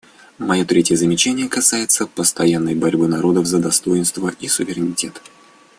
Мое третье замечание касается постоянной борьбы народов за достоинство и суверенитет.